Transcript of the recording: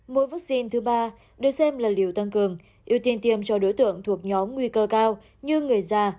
mỗi vaccine thứ ba được xem là liều tăng cường ưu tiên tiêm cho đối tượng thuộc nhóm nguy cơ cao như người già